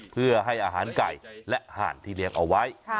เพื่อให้อาหารไก่และห่านที่เลี้ยงเอาไว้